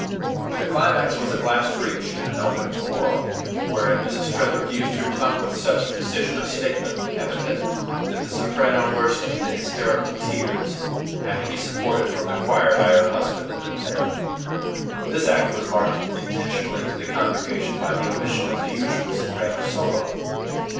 The climax was at last reached in an open quarrel, wherein Mrs. Tretherick used her tongue with such precision of statement and epithet that the soprano burst into hysterical tears, and had to be supported from the choir by her husband and the tenor. This act was marked intentionally to the congregation by the omission of the usual soprano solo.